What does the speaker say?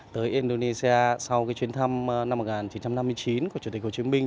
tới indonesia sau chuyến thăm năm một nghìn chín trăm năm mươi chín của chủ tịch hồ chí minh